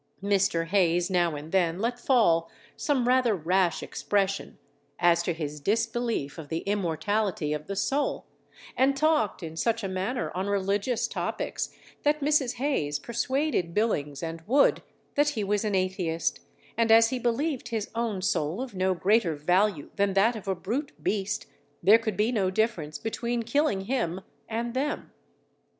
Mr. Hayes now and then let fall some rather rash expression, as to his disbelief of the immortality of the soul, and talked in such a manner on religious topics that Mrs. Hayes persuaded Billings and Wood that he was an Atheist, and as he believed his own soul of no greater value than that of a brute beast, there could be no difference between killing him and them.